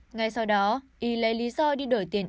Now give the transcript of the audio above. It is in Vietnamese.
ngay sau đó y lấy lý do đi đổi tiền